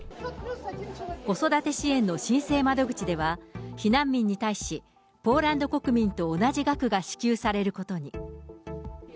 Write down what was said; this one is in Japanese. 子育て支援の申請窓口では、避難民に対し、ポーランド国民と同じ額が支給されることに。